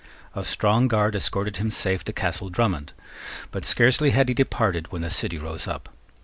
A strong guard escorted him safe to Castle Drummond: but scarcely had he departed when the city rose up.